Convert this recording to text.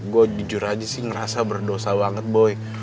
gue jujur aja sih ngerasa berdosa banget boy